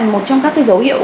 một trong các cái dấu hiệu